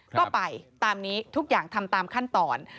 ก็ไปตามนี้ทุกอย่างทำตามขั้นตอน